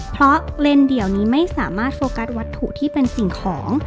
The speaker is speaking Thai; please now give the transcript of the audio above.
เพราะเลนส์เดี่ยวนี้ไม่สามารถโฟกัสวัตถุที่เป็นสิ่งของ